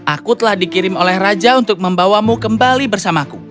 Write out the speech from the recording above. aku telah dikirim oleh raja untuk membawamu kembali bersamaku